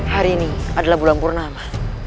hari ini adalah bulan purnama